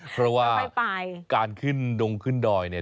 เพราะว่าการขึ้นดงขึ้นดอยเนี่ย